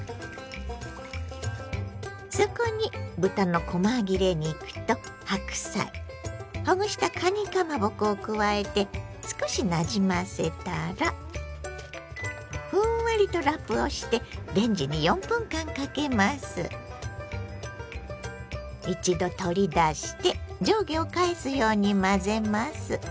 そこに豚のこま切れ肉と白菜ほぐしたかにかまぼこを加えて少しなじませたらふんわりとラップをして一度取り出して上下を返すように混ぜます。